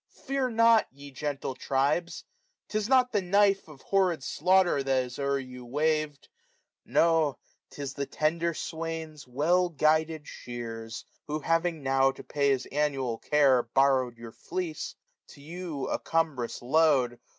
Fear not, ye gentle tribes, 'tis not the knife Of horrid slaughter that is o'er you wav'd ; No, 'tis the tender swain's well guided shears. Who having now, to pay his annual care, 420 Borrowed your fleece, to you a cumbrous load.